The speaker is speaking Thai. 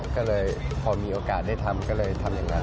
ก็เลยพอมีโอกาสได้ทำก็เลยทำอย่างนั้น